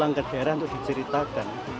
sebenarnya ini adalah daerah untuk diceritakan